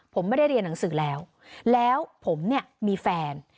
ผมไม่ได้เรียนหนังสือแล้วแล้วผมเนี่ยมีแฟน